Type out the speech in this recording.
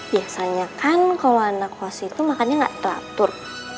biasanya kan kalau anak kuas itu makannya gak teratur